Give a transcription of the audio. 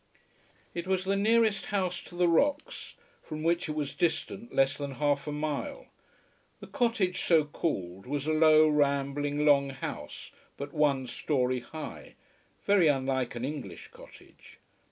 It was the nearest house to the rocks, from which it was distant less than half a mile. The cottage, so called, was a low rambling long house, but one storey high, very unlike an English cottage.